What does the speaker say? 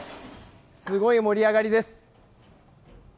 すごい盛り上がりです。